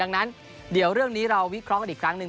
ดังนั้นเดี๋ยวเรื่องนี้เราวิเคราะห์กันอีกครั้งหนึ่ง